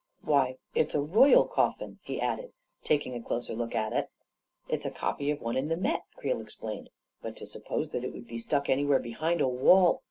Why, it's a royal coffin 1 " he added, taking a closer look at it. 44 It's a copy of one in the Met.," Creel explained. 44 But to suppose that it would be stuck anywhere behind a wall